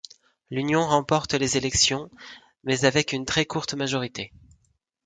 L'Union remporte les élections, mais avec une très courte majorité.